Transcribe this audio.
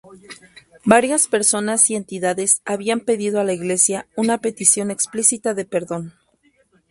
Varias personas y entidades habían pedido a la Iglesia una petición explícita de perdón.